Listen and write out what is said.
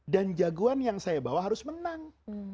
dan jagoan yang saya bawa harus menang